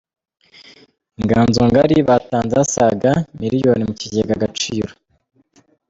Inganzo Ngari batanze asaga Miliyoni mu kigega Agaciro